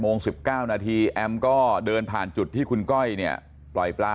โมง๑๙นาทีแอมก็เดินผ่านจุดที่คุณก้อยเนี่ยปล่อยปลา